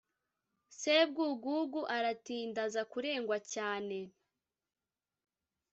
sebwugugu aratinda aza kurengwa cyane